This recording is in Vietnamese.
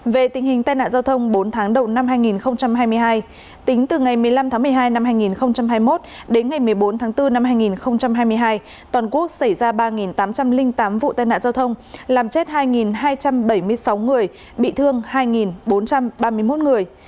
về tình hình tai nạn giao thông bốn tháng đầu năm hai nghìn hai mươi hai tính từ ngày một mươi năm tháng một mươi hai năm hai nghìn hai mươi một đến ngày một mươi bốn tháng bốn năm hai nghìn hai mươi hai toàn quốc xảy ra ba tám trăm linh tám vụ tai nạn giao thông làm chết hai hai trăm bảy mươi sáu người bị thương hai bốn trăm ba mươi một người